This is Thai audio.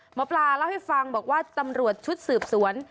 หมอปลาเล่าให้ฟังบอกว่าตำรวจชุดสืบสวน